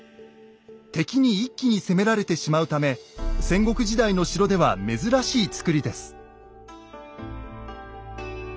敵に一気に攻められてしまうため戦国時代の城では珍しい造りです。